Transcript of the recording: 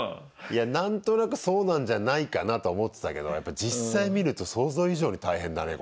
いや何となくそうなんじゃないかなとは思ってたけどやっぱり実際見ると想像以上に大変だね